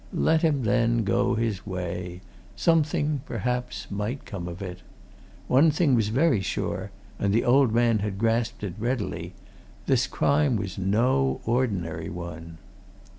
Let him, then, go his way; something, perhaps, might come of it. One thing was very sure, and the old man had grasped it readily this crime was no ordinary one.